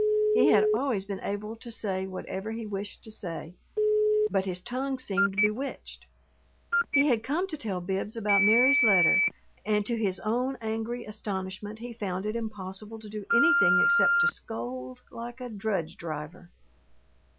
He had always been able to say whatever he wished to say, but his tongue seemed bewitched. He had come to tell Bibbs about Mary's letter, and to his own angry astonishment he found it impossible to do anything except to scold like a drudge driver.